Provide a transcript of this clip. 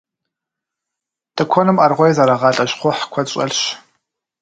Тыкуэным аргъуей зэрагъалӏэ щхъухь куэд щӏэлъщ.